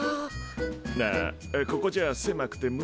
ああここじゃせまくて無理か。